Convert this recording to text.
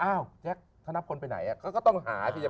อ้าวแท็กถ้านับคนไปไหนก็ต้องหาใช่ไหม